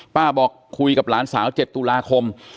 บอกคุยกับหลานสาว๗ตุลาคม